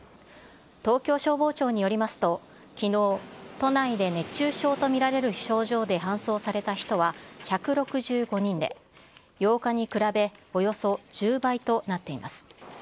東京消防庁によりますと、きのう、都内で熱中症と見られる症状で搬送された人は１６５人で、８日に比べ、およそ１０倍となっています。